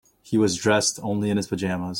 He was dressed only in his pajamas.